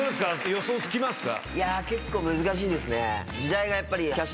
予想つきますか？